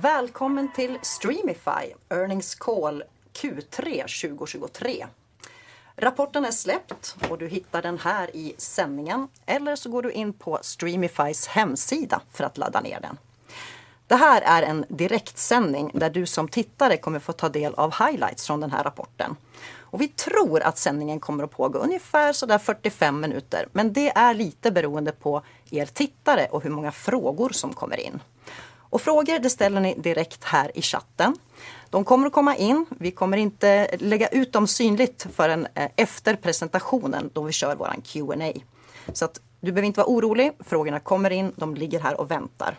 Välkommen till Streamify, Earnings Call Q3 2023. Rapporten är släppt och du hittar den här i sändningen eller så går du in på Streamifys hemsida för att ladda ner den. Det här är en direktsändning där du som tittare kommer att få ta del av highlights från den här rapporten. Vi tror att sändningen kommer att pågå ungefär fyrtifem minuter, men det är lite beroende på er tittare och hur många frågor som kommer in. Frågor ställer ni direkt här i chatten. De kommer att komma in. Vi kommer inte lägga ut dem synligt förrän efter presentationen då vi kör vår Q&A. Du behöver inte vara orolig, frågorna kommer in, de ligger här och väntar.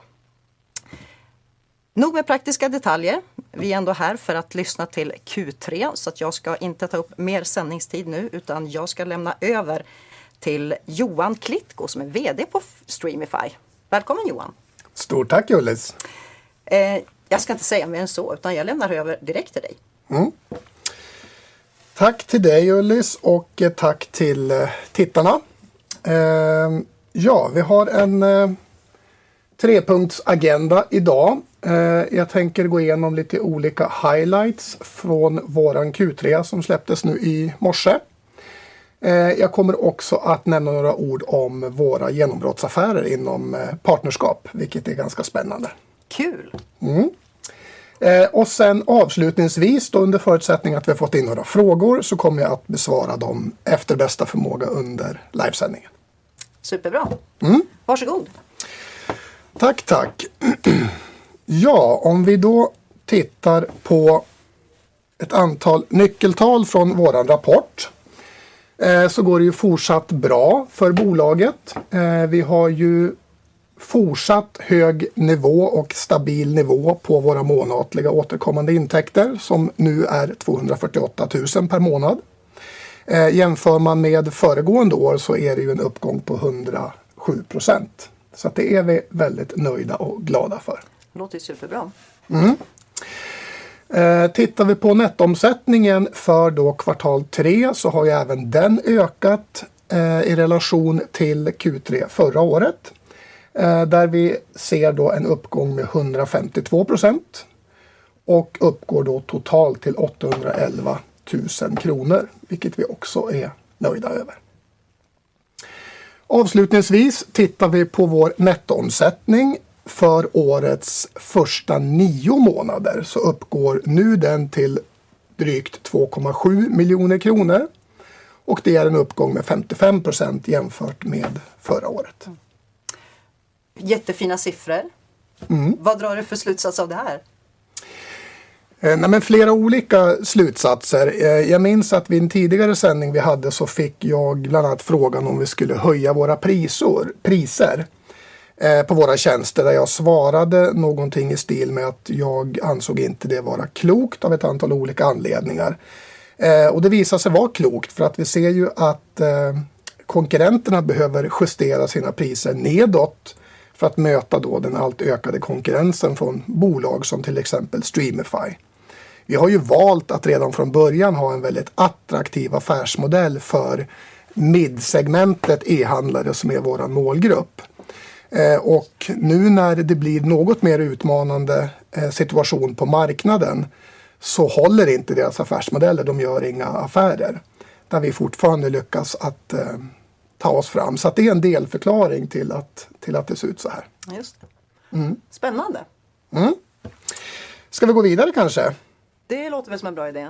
Nog med praktiska detaljer. Vi är ändå här för att lyssna till Q3, så jag ska inte ta upp mer sändningstid nu, utan jag ska lämna över till Johan Klitko, som är VD på Streamify. Välkommen Johan! Stort tack, Ullis. Eh, jag ska inte säga mer än så, utan jag lämnar över direkt till dig. Mm. Tack till dig, Ullis, och tack till tittarna. Ja, vi har en trepunktsagenda idag. Jag tänker gå igenom lite olika highlights från vår Q3 som släpptes nu i morse. Jag kommer också att nämna några ord om våra genombrottsaffärer inom partnerskap, vilket är ganska spännande. Cool! Mm. Och sen avslutningsvis, under förutsättning att vi har fått in några frågor, så kommer jag att besvara dem efter bästa förmåga under livesändningen. Superbra! Mm. Varsågod. Tack, tack. Ja, om vi då tittar på ett antal nyckeltal från vår rapport, så går det ju fortsatt bra för bolaget. Vi har ju fortsatt hög nivå och stabil nivå på våra månatliga återkommande intäkter, som nu är 248 000 kr per månad. Jämför man med föregående år så är det ju en uppgång på 107%. Så det är vi väldigt nöjda och glada för. Det låter superbra. Tittar vi på nettoomsättningen för kvartal tre så har även den ökat i relation till Q3 förra året, där vi ser en uppgång med 152% och uppgår totalt till 811 000 kronor, vilket vi också är nöjda över. Avslutningsvis, tittar vi på vår nettoomsättning för årets första nio månader så uppgår nu den till drygt 2,7 miljoner kronor och det är en uppgång med 55% jämfört med förra året. Jättefina siffror. Mm. Vad drar du för slutsats av det här? Nej, men flera olika slutsatser. Jag minns att vid en tidigare sändning vi hade så fick jag bland annat frågan om vi skulle höja våra priser på våra tjänster, där jag svarade någonting i stil med att jag ansåg inte det vara klokt av ett antal olika anledningar. Och det visade sig vara klokt, för att vi ser ju att konkurrenterna behöver justera sina priser nedåt för att möta då den allt ökade konkurrensen från bolag som till exempel Streamify. Vi har ju valt att redan från början ha en väldigt attraktiv affärsmodell för mid-segmentet e-handlare som är vår målgrupp. Och nu när det blir något mer utmanande situation på marknaden, så håller inte deras affärsmodeller, de gör inga affärer, där vi fortfarande lyckas att ta oss fram. Så det är en delförklaring till att det ser ut såhär. Just det. Mm. Spännande! Mm. Ska vi gå vidare kanske? Det låter väl som en bra idé.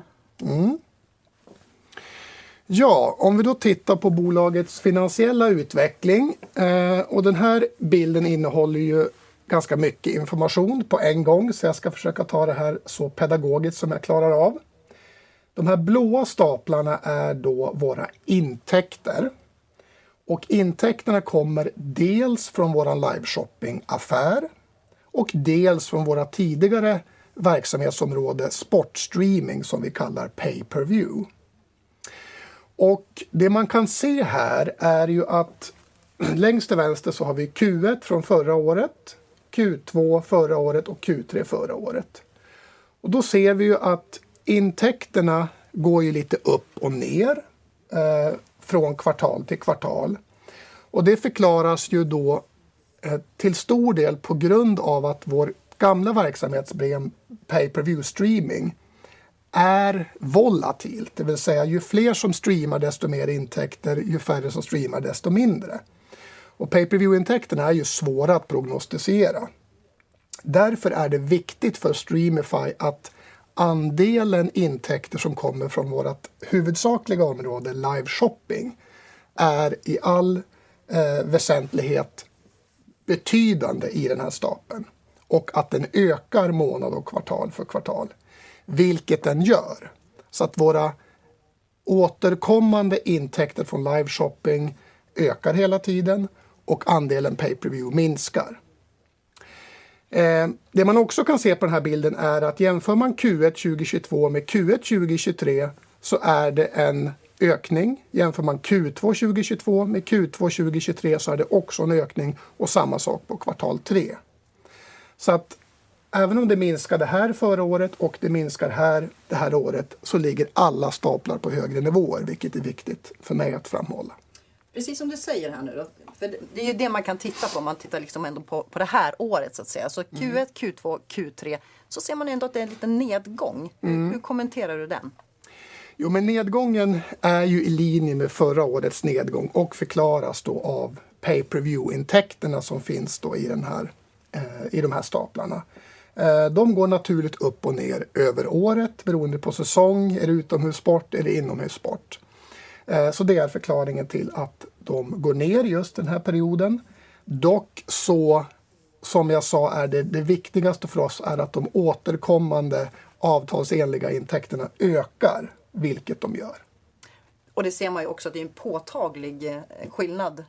Mm. Ja, om vi då tittar på bolagets finansiella utveckling och den här bilden innehåller ju ganska mycket information på en gång, så jag ska försöka ta det här så pedagogiskt som jag klarar av. De här blåa staplarna är då våra intäkter och intäkterna kommer dels från vår live shopping-affär och dels från vårt tidigare verksamhetsområde sportstreaming, som vi kallar pay-per-view. Och det man kan se här är ju att längst till vänster så har vi Q1 från förra året, Q2 förra året och Q3 förra året. Och då ser vi ju att intäkterna går ju lite upp och ner från kvartal till kvartal. Och det förklaras ju då till stor del på grund av att vår gamla verksamhet, pay-per-view-streaming, är volatil. Det vill säga, ju fler som streamar, desto mer intäkter, ju färre som streamar, desto mindre. Och pay-per-view-intäkterna är ju svåra att prognostisera. Därför är det viktigt för Streamify att andelen intäkter som kommer från vårt huvudsakliga område, live shopping, är i all väsentlighet betydande i den här stapeln och att den ökar månad och kvartal för kvartal, vilket den gör. Våra återkommande intäkter från live shopping ökar hela tiden och andelen pay-per-view minskar. Det man också kan se på den här bilden är att jämför man Q1 2022 med Q1 2023 så är det en ökning. Jämför man Q2 2022 med Q2 2023 så är det också en ökning och samma sak på kvartal tre. Även om det minskade här förra året och det minskar här det här året, så ligger alla staplar på högre nivåer, vilket är viktigt för mig att framhålla. Precis som du säger här nu, att det är ju det man kan titta på. Man tittar liksom ändå på det här året så att säga. Så Q1, Q2, Q3, så ser man ändå att det är en liten nedgång. Hur kommenterar du den? Jo, men nedgången är ju i linje med förra årets nedgång och förklaras då av pay-per-view intäkterna som finns då i den här, i de här staplarna. De går naturligt upp och ner över året, beroende på säsong, är det utomhussport eller inomhussport? Så det är förklaringen till att de går ner just den här perioden. Dock så, som jag sa, är det det viktigaste för oss är att de återkommande avtalsenliga intäkterna ökar, vilket de gör. Och det ser man ju också att det är en påtaglig skillnad.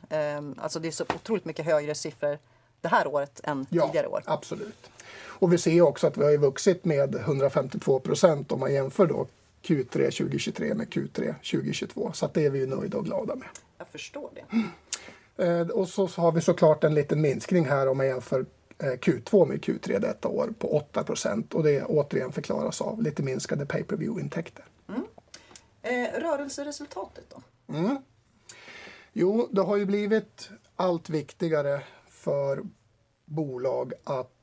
Alltså, det är så otroligt mycket högre siffror det här året än tidigare år. Ja, absolut. Och vi ser också att vi har vuxit med 152% om man jämför då Q3 2023 med Q3 2022. Så att det är vi nöjda och glada med. Jag förstår det. Och så har vi så klart en liten minskning här om man jämför Q2 med Q3 detta år på 8% och det återigen förklaras av lite minskade pay-per-view intäkter. Mm. Rörelseresultatet då? Jo, det har ju blivit allt viktigare för bolag att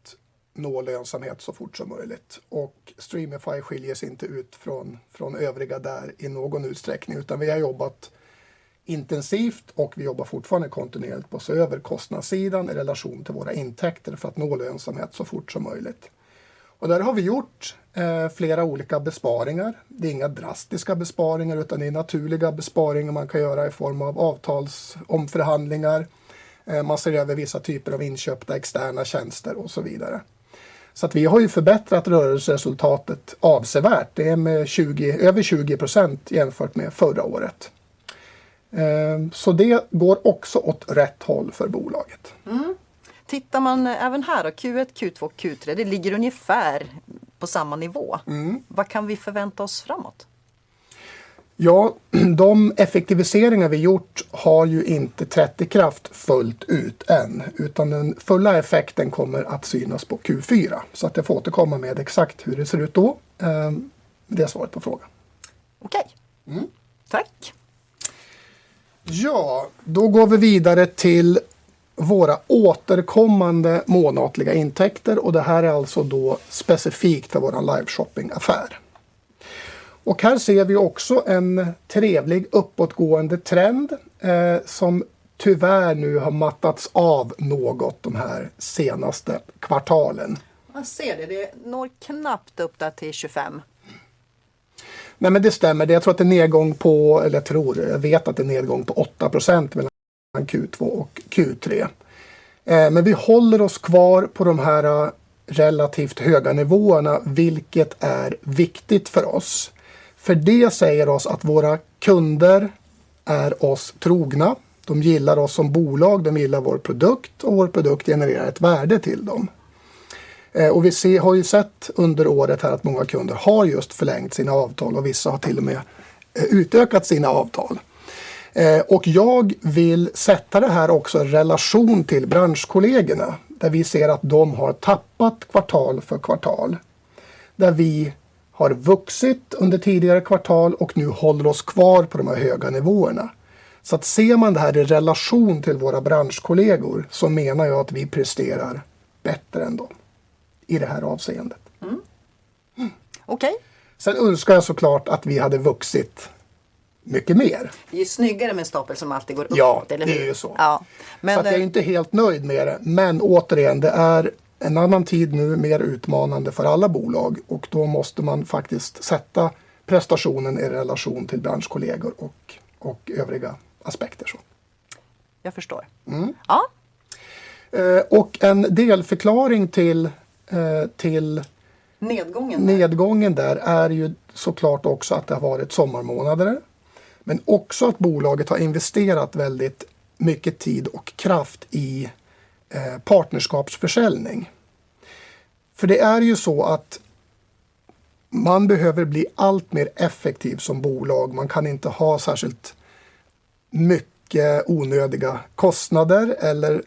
nå lönsamhet så fort som möjligt och Streamify skiljer sig inte ut från övriga där i någon utsträckning, utan vi har jobbat intensivt och vi jobbar fortfarande kontinuerligt på att se över kostnadssidan i relation till våra intäkter för att nå lönsamhet så fort som möjligt. Där har vi gjort flera olika besparingar. Det är inga drastiska besparingar, utan det är naturliga besparingar man kan göra i form av avtalsomförhandlingar. Man ser över vissa typer av inköpta externa tjänster och så vidare. Vi har ju förbättrat rörelseresultatet avsevärt. Det är med tjugo, över 20% jämfört med förra året. Det går också åt rätt håll för bolaget. Mm. Tittar man även här då, Q1, Q2, Q3, det ligger ungefär på samma nivå. Mm. Vad kan vi förvänta oss framåt? Ja, de effektiviseringar vi gjort har ju inte trätt i kraft fullt ut än, utan den fulla effekten kommer att synas på Q4. Så jag får återkomma med exakt hur det ser ut då. Det är svaret på frågan. Okej, tack! Ja, då går vi vidare till våra återkommande månatliga intäkter och det här är alltså då specifikt för vår liveshopping-affär. Här ser vi också en trevlig uppåtgående trend, som tyvärr nu har mattats av något de här senaste kvartalen. Man ser det, det når knappt upp där till tjugofem. Nej, men det stämmer. Jag tror att det är en nedgång på, eller jag tror, jag vet att det är en nedgång på 8% mellan Q2 och Q3. Men vi håller oss kvar på de här relativt höga nivåerna, vilket är viktigt för oss. För det säger oss att våra kunder är oss trogna. De gillar oss som bolag, de gillar vår produkt och vår produkt genererar ett värde till dem. Vi ser, har ju sett under året här att många kunder har just förlängt sina avtal och vissa har till och med utökat sina avtal. Jag vill sätta det här också i relation till branschkollegorna, där vi ser att de har tappat kvartal för kvartal, där vi har vuxit under tidigare kvartal och nu håller oss kvar på de här höga nivåerna. Så att ser man det här i relation till våra branschkollegor, så menar jag att vi presterar bättre än dem i det här avseendet. Mm, okay. Sen önskar jag så klart att vi hade vuxit mycket mer. Det är ju snyggare med en stapel som alltid går uppåt. Ja, det är ju så. Ja. Så jag är inte helt nöjd med det, men återigen, det är en annan tid nu, mer utmanande för alla bolag och då måste man faktiskt sätta prestationen i relation till branschkollegor och övriga aspekter så. Jag förstår. Ja. Äh, och en delförklaring till, till- Nedgången Nedgången där är ju så klart också att det har varit sommarmånader, men också att bolaget har investerat väldigt mycket tid och kraft i partnerskapsförsäljning. För det är ju så att man behöver bli allt mer effektiv som bolag. Man kan inte ha särskilt mycket onödiga kostnader eller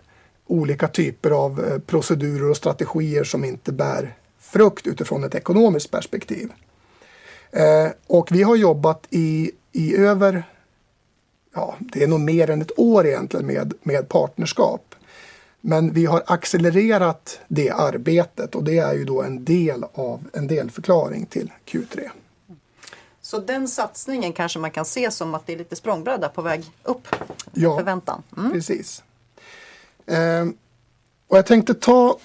olika typer av procedurer och strategier som inte bär frukt utifrån ett ekonomiskt perspektiv. Och vi har jobbat i över, ja, det är nog mer än ett år egentligen med partnerskap, men vi har accelererat det arbetet och det är ju då en del av en delförklaring till Q3. Så den satsningen kanske man kan se som att det är lite språngbräda på väg upp. Ja i förväntan. Precis. Och jag tänkte ta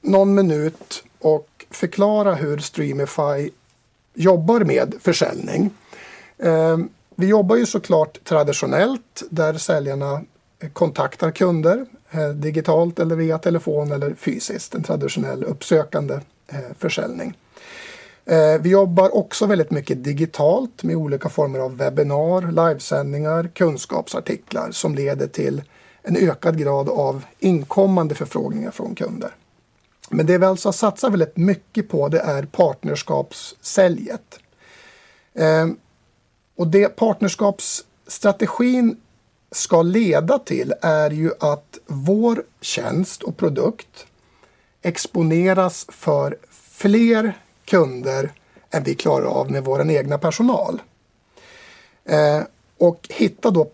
någon minut och förklara hur Streamify jobbar med försäljning. Vi jobbar ju så klart traditionellt, där säljarna kontaktar kunder, digitalt eller via telefon eller fysiskt, en traditionell uppsökande försäljning. Vi jobbar också väldigt mycket digitalt med olika former av webinar, livesändningar, kunskapsartiklar som leder till en ökad grad av inkommande förfrågningar från kunder. Men det vi alltså satsar väldigt mycket på, det är partnerskapsförsäljning. Och det partnerskapsstrategin ska leda till är ju att vår tjänst och produkt exponeras för fler kunder än vi klarar av med vår egen personal. Och hitta då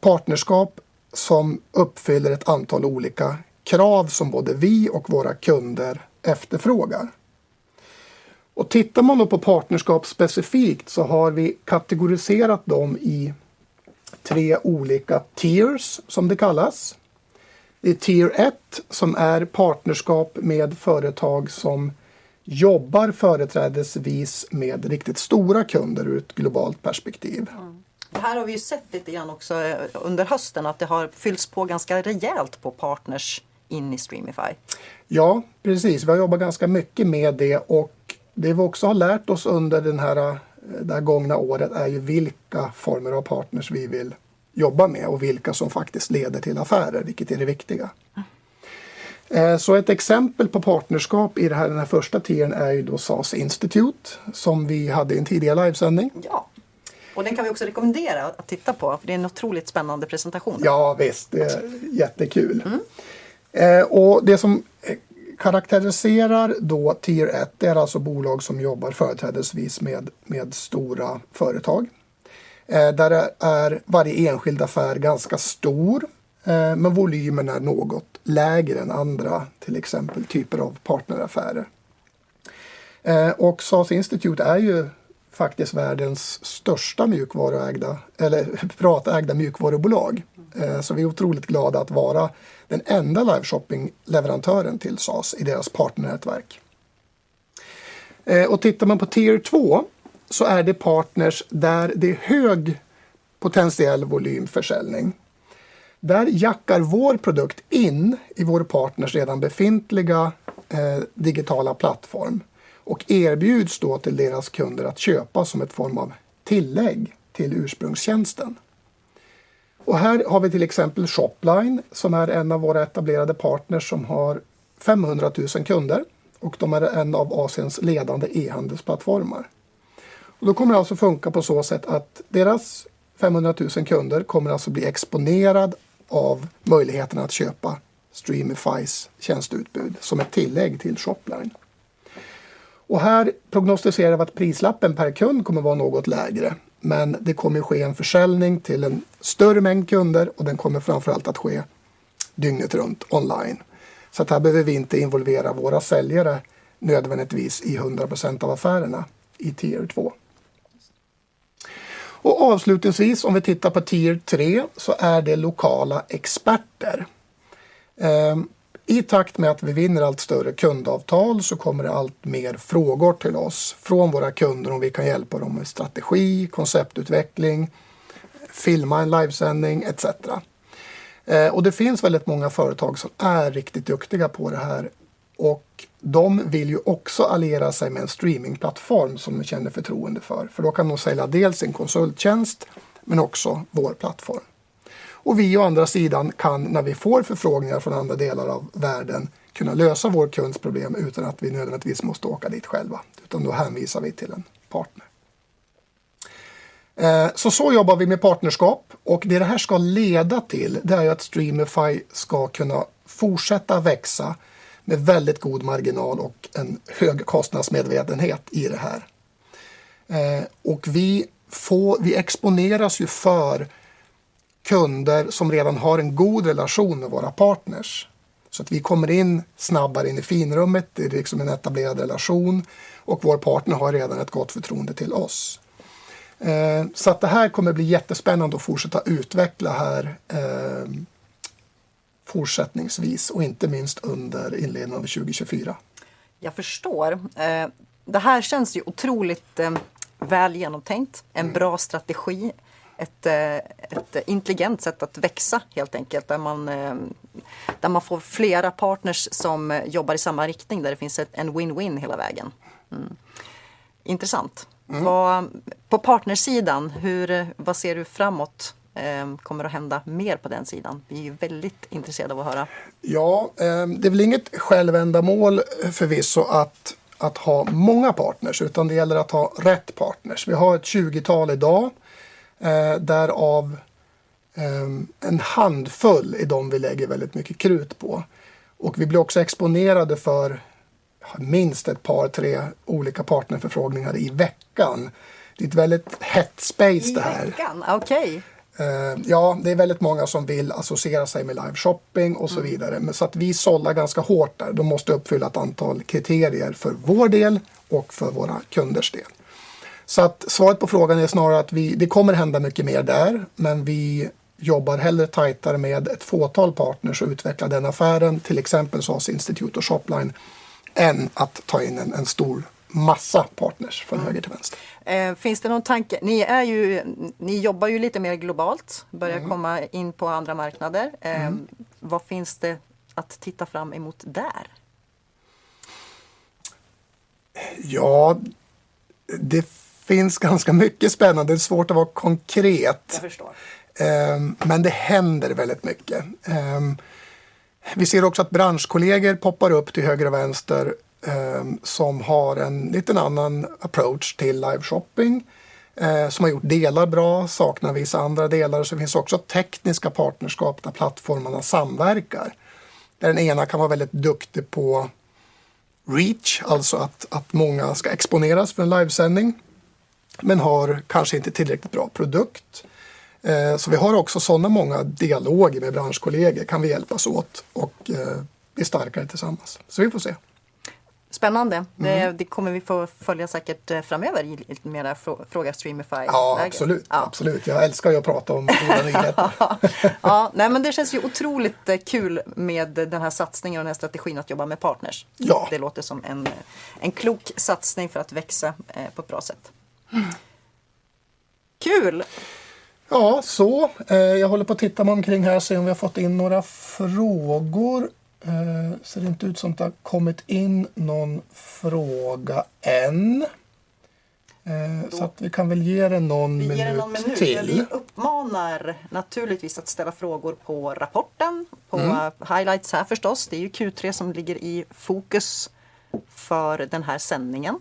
partnerskap som uppfyller ett antal olika krav som både vi och våra kunder efterfrågar. Och tittar man då på partnerskap specifikt så har vi kategoriserat dem i tre olika tiers, som det kallas. Det är tier ett som är partnerskap med företag som jobbar företrädesvis med riktigt stora kunder ur ett globalt perspektiv. Det här har vi ju sett lite grann också under hösten, att det har fyllts på ganska rejält på partners in i Streamify. Ja, precis. Vi har jobbat ganska mycket med det och det vi också har lärt oss under det här gångna året är ju vilka former av partners vi vill jobba med och vilka som faktiskt leder till affärer, vilket är det viktiga. Så ett exempel på partnerskap i den här första tiern är ju då SAS Institute, som vi hade i en tidigare livesändning. Ja, och den kan vi också rekommendera att titta på, för det är en otroligt spännande presentation. Ja, visst, det är jättekul! Och det som karaktäriserar då tier ett är alltså bolag som jobbar företrädesvis med stora företag. Där är varje enskild affär ganska stor, men volymen är något lägre än andra, till exempel typer av partneraffärer. Och SAS Institute är ju faktiskt världens största mjukvaruägda eller privatägda mjukvarubolag. Så vi är otroligt glada att vara den enda live shopping-leverantören till SAS i deras partnernätverk. Och tittar man på tier två så är det partners där det är hög potentiell volymförsäljning. Där jackar vår produkt in i vår partners redan befintliga digitala plattform och erbjuds då till deras kunder att köpa som ett form av tillägg till ursprungstjänsten. Och här har vi till exempel Shopline, som är en av våra etablerade partners som har 500,000 kunder och de är en av Asiens ledande e-handelsplattformar. Då kommer det alltså funka på så sätt att deras femhundratusen kunder kommer alltså bli exponerade av möjligheten att köpa Streamify's tjänsteutbud som ett tillägg till Shopline. Här prognostiserar vi att prislappen per kund kommer vara något lägre, men det kommer att ske en försäljning till en större mängd kunder och den kommer framför allt att ske dygnet runt online. Här behöver vi inte involvera våra säljare nödvändigtvis i 100% av affärerna i tier två. Avslutningsvis, om vi tittar på tier tre, så är det lokala experter. I takt med att vi vinner allt större kundavtal så kommer det allt mer frågor till oss från våra kunder om vi kan hjälpa dem med strategi, konceptutveckling, filma en livesändning et cetera. Och det finns väldigt många företag som är riktigt duktiga på det här och de vill ju också alliera sig med en streamingplattform som de känner förtroende för. För då kan de sälja dels sin konsulttjänst, men också vår plattform. Och vi å andra sidan kan, när vi får förfrågningar från andra delar av världen, kunna lösa vår kunds problem utan att vi nödvändigtvis måste åka dit själva, utan då hänvisar vi till en partner. Så jobbar vi med partnerskap och det det här ska leda till, det är ju att Streamify ska kunna fortsätta växa med väldigt god marginal och en hög kostnadsmedvetenhet i det här. Och vi får, vi exponeras ju för kunder som redan har en god relation med våra partners. Så att vi kommer in snabbare in i finrummet, det är liksom en etablerad relation och vår partner har redan ett gott förtroende till oss. Eh, så att det här kommer bli jättespännande att fortsätta utveckla här, eh, fortsättningsvis och inte minst under inledningen av 2024. Jag förstår. Det här känns ju otroligt väl genomtänkt, en bra strategi, ett intelligent sätt att växa helt enkelt, där man får flera partners som jobbar i samma riktning, där det finns en win-win hela vägen. Intressant! Mm. På partnersidan, hur, vad ser du framåt kommer att hända mer på den sidan? Vi är ju väldigt intresserade av att höra. Ja, det är väl inget självändamål förvisso att ha många partners, utan det gäller att ha rätt partners. Vi har ett tjugotal idag, därav en handfull är de vi lägger väldigt mycket krut på. Och vi blir också exponerade för minst ett par, tre olika partnerförfrågningar i veckan. Det är ett väldigt hett space det här. I veckan? Okej. Ja, det är väldigt många som vill associera sig med live shopping och så vidare. Så att vi sållar ganska hårt där. De måste uppfylla ett antal kriterier för vår del och för våra kunders del. Så att svaret på frågan är snarare att vi, det kommer hända mycket mer där, men vi jobbar hellre tajtare med ett fåtal partners och utveckla den affären, till exempel SAS Institute och Shopline, än att ta in en stor massa partners från höger till vänster. Finns det någon tanke? Ni är ju, ni jobbar ju lite mer globalt- Mm. Börjar komma in på andra marknader. Mm. Vad finns det att titta fram emot där? Ja, det finns ganska mycket spännande. Det är svårt att vara konkret. Jag förstår. Men det händer väldigt mycket. Vi ser också att branschkollegor poppar upp till höger och vänster som har en liten annan approach till live shopping, som har gjort delar bra, saknar vissa andra delar. Och så finns det också tekniska partnerskap där plattformarna samverkar, där den ena kan vara väldigt duktig på reach, alltså att många ska exponeras för en livesändning, men har kanske inte tillräckligt bra produkt. Så vi har också sådana många dialoger med branschkollegor. Kan vi hjälpas åt och bli starkare tillsammans? Så vi får se. Spännande! Det kommer vi få följa säkert framöver i lite mera Fråga Streamify-läget. Ja, absolut, absolut. Jag älskar ju att prata om bolag. Ja, nej men det känns ju otroligt kul med den här satsningen och den här strategin att jobba med partners. Ja. Det låter som en klok satsning för att växa på ett bra sätt. Kul! Ja, så. Jag håller på att titta mig omkring här och se om vi har fått in några frågor. Ser inte ut som det har kommit in någon fråga än. Så att vi kan väl ge det någon minut till. Vi ger det en minut. Vi uppmanar naturligtvis att ställa frågor på rapporten, på highlights här förstås. Det är ju Q3 som ligger i fokus för den här sändningen.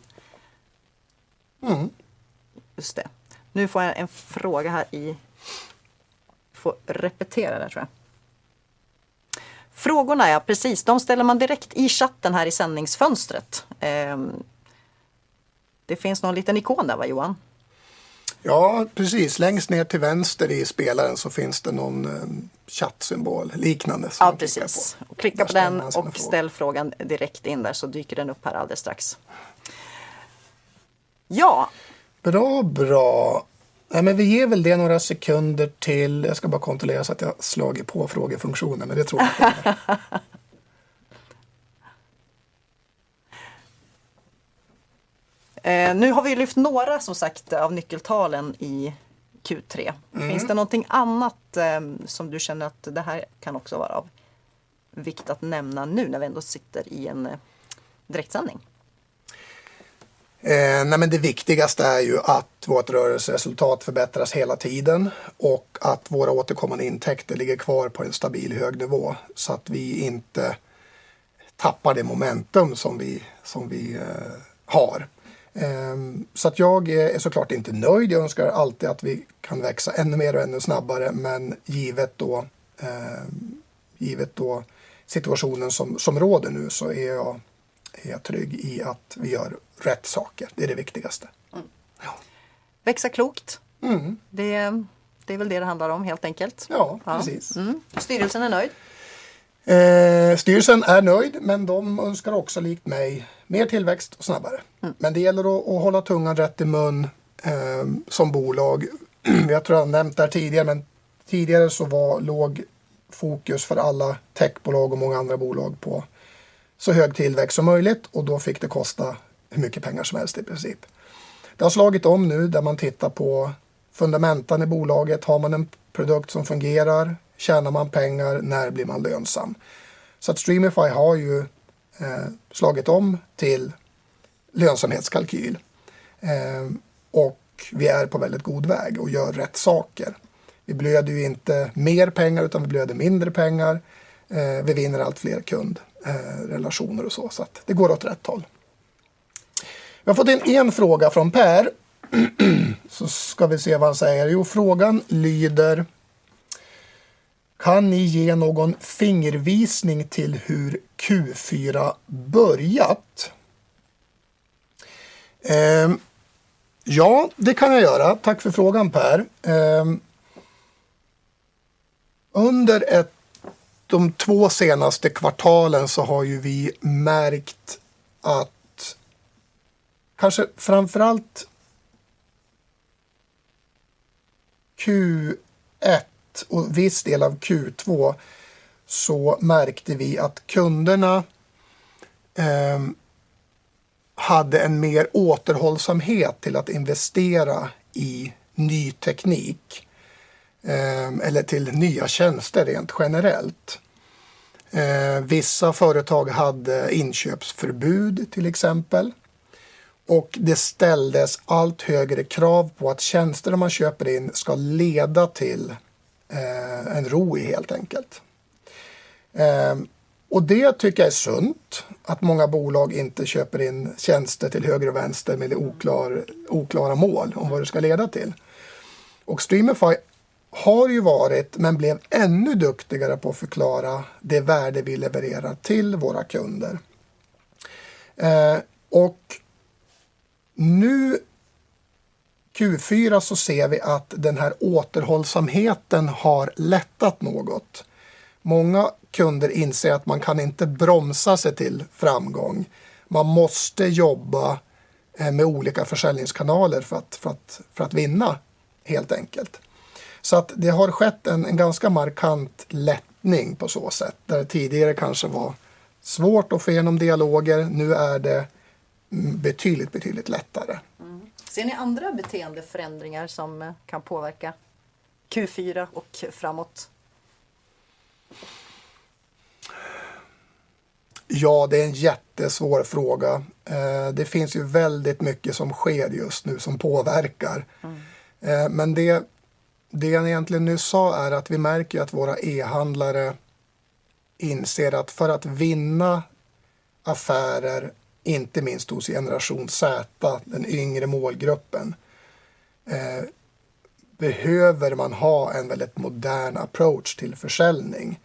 Mm. Just det. Nu får jag en fråga här i, får repetera det tror jag. Frågorna, ja, precis, de ställer man direkt i chatten här i sändningsfönstret. Det finns någon liten ikon där va, Johan? Ja, precis. Längst ner till vänster i spelaren så finns det någon chattsymbol, liknande. Ja, precis. Klicka på den och ställ frågan direkt in där så dyker den upp här alldeles strax. Ja! Bra, bra. Nej, men vi ger väl det några sekunder till. Jag ska bara kontrollera så att jag har slagit på frågefunktionen, men det tror jag. Äh, nu har vi lyft några som sagt av nyckeltalen i Q3. Mm. Finns det någonting annat som du känner att det här kan också vara av vikt att nämna nu när vi ändå sitter i en direktsändning? Nej, men det viktigaste är ju att vårt rörelseresultat förbättras hela tiden och att våra återkommande intäkter ligger kvar på en stabil, hög nivå. Så att vi inte tappar det momentum som vi har. Så att jag är så klart inte nöjd. Jag önskar alltid att vi kan växa ännu mer och ännu snabbare, men givet situationen som råder nu, så är jag trygg i att vi gör rätt saker. Det är det viktigaste. Mm. Växa klokt. Mm. Det, det är väl det det handlar om, helt enkelt. Ja, precis. Mm. Styrelsen är nöjd? Styrelsen är nöjd, men de önskar också, likt mig, mer tillväxt och snabbare. Mm. Men det gäller att hålla tungan rätt i mun som bolag. Jag tror jag har nämnt det här tidigare, men tidigare så låg fokus för alla techbolag och många andra bolag på så hög tillväxt som möjligt och då fick det kosta hur mycket pengar som helst i princip. Det har slagit om nu, där man tittar på fundamentan i bolaget. Har man en produkt som fungerar? Tjänar man pengar? När blir man lönsam? Så att Streamify har slagit om till lönsamhetskalkyl. Och vi är på väldigt god väg och gör rätt saker. Vi blöder ju inte mer pengar, utan vi blöder mindre pengar. Vi vinner allt fler kundrelationer och så. Så att det går åt rätt håll. Vi har fått in en fråga från Per. Så ska vi se vad han säger. Jo, frågan lyder: Kan ni ge någon fingervisning till hur Q4 börjat? Ja, det kan jag göra. Tack för frågan, Per. Under de två senaste kvartalen så har vi märkt att kanske framför allt Q1 och en viss del av Q2, så märkte vi att kunderna hade en mer återhållsamhet till att investera i ny teknik, eller till nya tjänster rent generellt. Vissa företag hade inköpsförbud, till exempel, och det ställdes allt högre krav på att tjänster man köper in ska leda till en ROI, helt enkelt. Det tycker jag är sunt, att många bolag inte köper in tjänster till höger och vänster med oklara mål om vad det ska leda till. Streamify har varit, men blev ännu duktigare på att förklara det värde vi levererar till våra kunder. Och nu Q4 så ser vi att den här återhållsamheten har lättat något. Många kunder inser att man kan inte bromsa sig till framgång. Man måste jobba med olika försäljningskanaler för att vinna, helt enkelt. Så att det har skett en ganska markant lättning på så sätt, där det tidigare kanske var svårt att få igenom dialoger. Nu är det betydligt lättare. Ser ni andra beteendeförändringar som kan påverka Q4 och framåt? Ja, det är en jättesvår fråga. Det finns ju väldigt mycket som sker just nu, som påverkar. Mm. Men det, det jag egentligen nu sa är att vi märker ju att våra e-handlare inser att för att vinna affärer, inte minst hos generation Z, den yngre målgruppen, behöver man ha en väldigt modern approach till försäljning.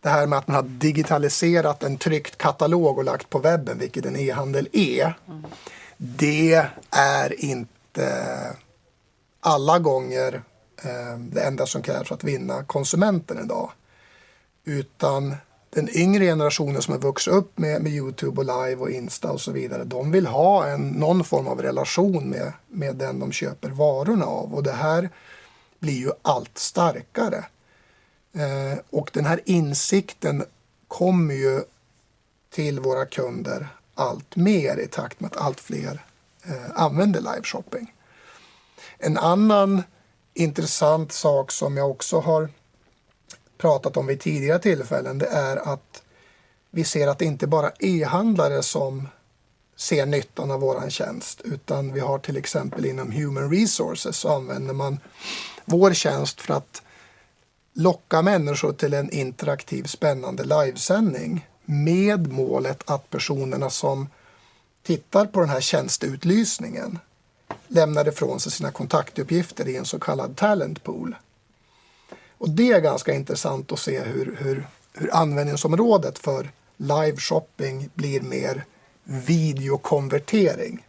Det här med att man har digitaliserat en tryckt katalog och lagt på webben, vilket en e-handel är, det är inte alla gånger det enda som krävs för att vinna konsumenten i dag. Utan den yngre generationen som har vuxit upp med YouTube och live och Insta och så vidare, de vill ha en, någon form av relation med den de köper varorna av. Och det här blir ju allt starkare. Och den här insikten kommer ju till våra kunder allt mer i takt med att allt fler använder liveshopping. En annan intressant sak som jag också har pratat om vid tidigare tillfällen, det är att vi ser att det inte bara är e-handlare som ser nyttan av vår tjänst, utan vi har till exempel inom human resources, så använder man vår tjänst för att locka människor till en interaktiv, spännande livesändning med målet att personerna som tittar på den här tjänsteutlysningen lämnar ifrån sig sina kontaktuppgifter i en så kallad talent pool. Och det är ganska intressant att se hur användningsområdet för liveshopping blir mer videokonvertering.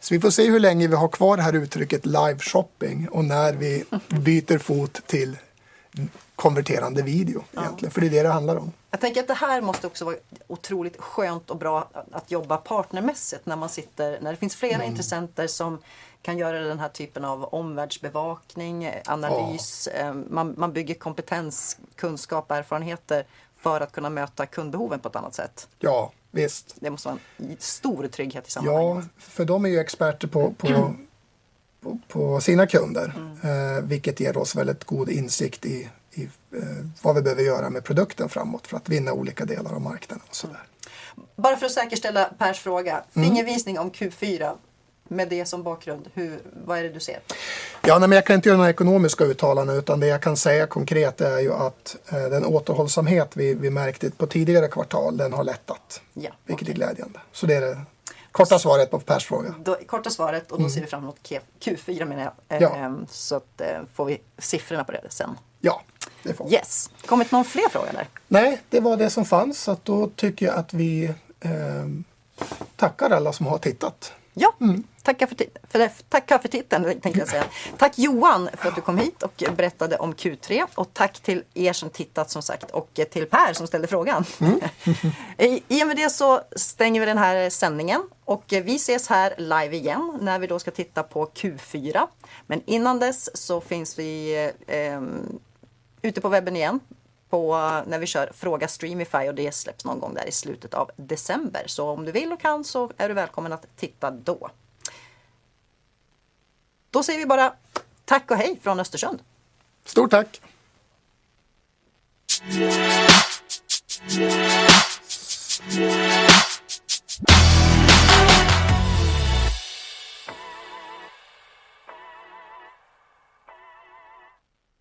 Så vi får se hur länge vi har kvar det här uttrycket liveshopping och när vi byter fot till konverterande video, egentligen, för det är det det handlar om. Jag tänker att det här måste också vara otroligt skönt och bra att jobba partnermässigt när man sitter, när det finns flera intressenter som kan göra den här typen av omvärldsbevakning, analys. Man bygger kompetens, kunskap, erfarenheter för att kunna möta kundbehoven på ett annat sätt. Ja, visst. Det måste vara en stor trygghet i sammanhanget. Ja, för de är ju experter på sina kunder, vilket ger oss väldigt god insikt i vad vi behöver göra med produkten framåt för att vinna olika delar av marknaden och sådär. Bara för att säkerställa Pers fråga. Fingervisning om Q4 med det som bakgrund, hur, vad är det du ser? Ja, nej, men jag kan inte göra några ekonomiska uttalanden, utan det jag kan säga konkret är ju att den återhållsamhet vi märkte på tidigare kvartal, den har lättat. Ja. Vilket är glädjande. Så det är det korta svaret på Pers fråga. Det korta svaret, och då ser vi fram emot Q4, menar jag. Ja. Så att får vi siffrorna på det sedan. Ja, det får vi. Ja! Kommer någon fler fråga eller? Nej, det var det som fanns. Så då tycker jag att vi tackar alla som har tittat. Ja, tack för ti-, tack för titten, tänkte jag säga. Tack Johan, för att du kom hit och berättade om Q3 och tack till er som tittade som sagt, och till Per som ställde frågan. I och med det så stänger vi den här sändningen och vi ses här live igen när vi då ska titta på Q4. Men innan dess så finns vi ute på webben igen på, när vi kör Fråga Streamify och det släpps någon gång där i slutet av december. Så om du vill och kan, så är du välkommen att titta då. Då säger vi bara tack och hej från Östersund. Stort tack!